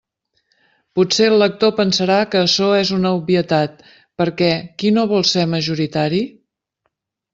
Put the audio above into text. Potser el lector pensarà que açò és una obvietat, perquè ¿qui no vol ser majoritari?